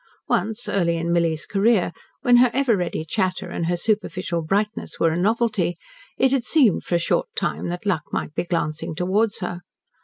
Once early in Milly's career, when her ever ready chatter and her superficial brightness were a novelty, it had seemed for a short time that luck might be glancing towards her.